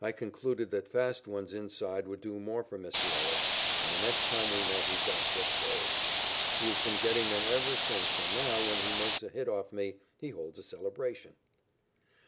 I concluded that fast ones inside would do for Mr. Ellis, and the next time we met he got just those. He has been getting them ever since and now, when he makes a hit off me, he holds a celebration.